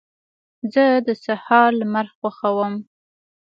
زه د سهار لمر خوښوم.